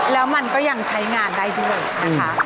แล้วมันก็ยังใช้งานได้ด้วยนะคะ